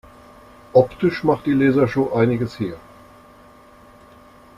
Optisch macht die Lasershow einiges her.